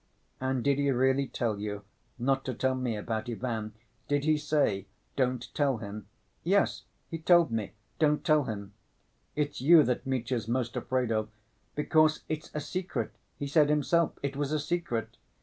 "And did he really tell you not to tell me about Ivan? Did he say, 'Don't tell him'?" "Yes, he told me, 'Don't tell him.' It's you that Mitya's most afraid of. Because it's a secret: he said himself it was a secret.